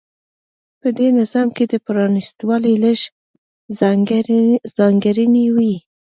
په دې نظام کې د پرانېستوالي لږې ځانګړنې وې.